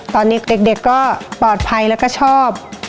ตอนเด็กก็ปลอดภัยแล้วก็ชอบ